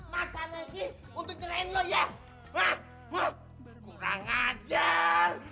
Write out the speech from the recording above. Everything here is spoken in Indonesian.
pan hidup itu kaya roda berputar